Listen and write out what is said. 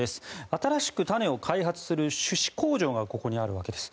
新しく種を開発する種子工場がここにあるわけです。